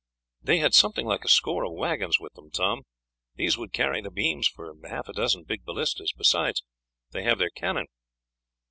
"They had something like a score of waggons with them, Tom; these would carry the beams for half a dozen big ballistas; besides, they have their cannon."